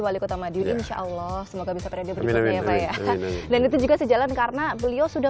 wali kota madiun insya allah semoga bisa periode berikutnya ya pak ya dan itu juga sejalan karena beliau sudah